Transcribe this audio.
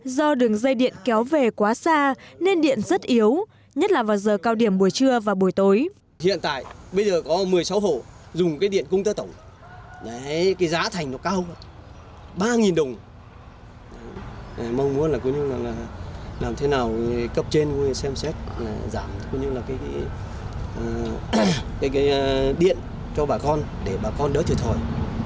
do đường dây điện kéo về quá xa nên điện rất yếu nhất là vào giờ cao điểm buổi trưa và buổi tối